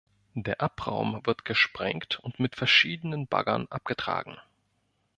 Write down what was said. Der Abraum wird gesprengt und mit verschiedenen Baggern abgetragen.